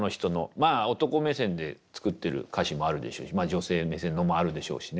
まあ男目線で作ってる歌詞もあるでしょうし女性目線のもあるでしょうしね。